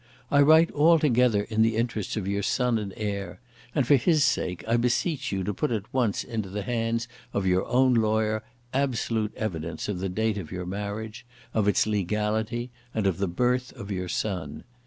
I write altogether in the interests of your son and heir; and for his sake I beseech you to put at once into the hands of your own lawyer absolute evidence of the date of your marriage, of its legality, and of the birth of your son.